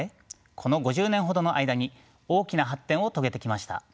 この５０年ほどの間に大きな発展を遂げてきました。